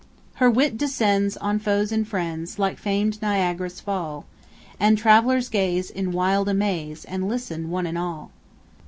Her wit descends on foes and friends Like famed Niagara's Fall; And travellers gaze in wild amaze, And listen, one and all.